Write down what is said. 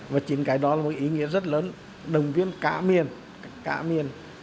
và chính cái đó là một ý nghĩa rất lớn đồng viên cả miền